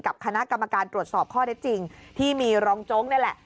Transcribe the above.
กับคณะกรรมการตรวจสอบข้อได้จริงที่มีรองโจ๊กนี่แหละ